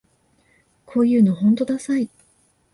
こういうのほんとダサい